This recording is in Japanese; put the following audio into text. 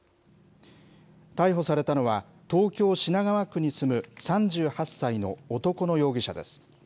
逮捕されたのは、東京・品川区に住む３８歳の男の容疑者です。